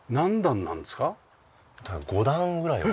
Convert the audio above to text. ５段ぐらいは。